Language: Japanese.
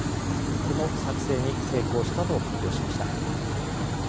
この作製に成功したと発表しました。